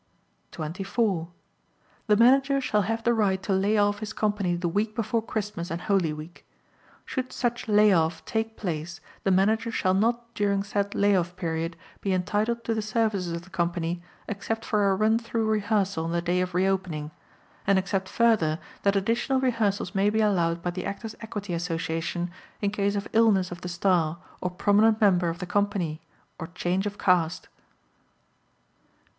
24. The Manager shall have the right to lay off his company the week before Christmas and Holy Week. Should such lay off take place the Manager shall not during said lay off period be entitled to the services of the company except for a run through rehearsal on the day of re opening, and except further that additional rehearsals may be allowed by the Actors' Equity Association in case of illness of the star or prominent member of the company or change of cast. 25.